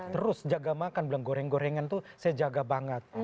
terus jaga makan bilang goreng gorengan tuh saya jaga banget